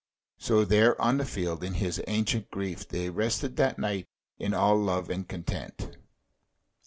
So there on the field of his ancient grief they rested that night in all love and content.